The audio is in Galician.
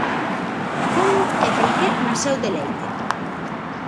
Como e para que naceu Deleite?